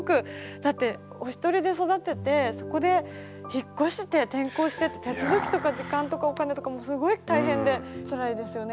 だってお一人で育ててそこで引っ越して転校してって手続きとか時間とかお金とかもうすごい大変でつらいですよね